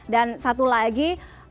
dan satu lagi